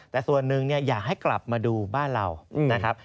แต่ส่วนหนึ่งอยากให้กลับมาดูบ้านเรานะครับ